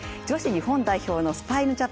女子日本代表のスマイル